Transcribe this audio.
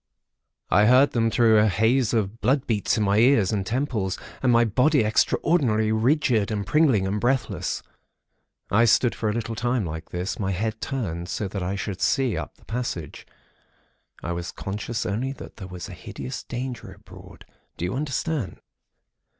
I heard them through a haze of blood beats in my ears and temples, and my body extraordinarily rigid and pringling and breathless. I stood for a little time like this, my head turned, so that I should see up the passage. I was conscious only that there was a hideous danger abroad. Do you understand?